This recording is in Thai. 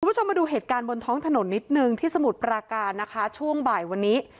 คุณผู้ชมมาดูเหตุการณ์บนท้องถนนนิดนึงที่สมุทรปราการนะคะช่วงบ่ายวันนี้